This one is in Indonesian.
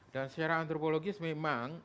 dan secara antropologis memang